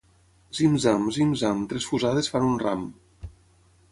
Zim-zam, zim-zam, tres fusades fan un ram.